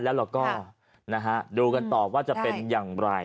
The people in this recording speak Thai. แล้วเราก็ดูกันต่อว่าจะเป็นอย่างไร